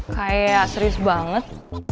kayak serius banget